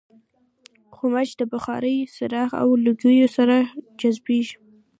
غوماشې د بخارۍ، څراغ او لوګیو سره جذبېږي.